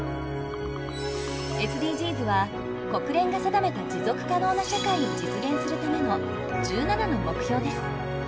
ＳＤＧｓは国連が定めた持続可能な社会を実現するための１７の目標です。